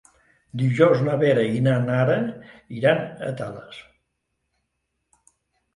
Dijous na Vera i na Nara iran a Tales.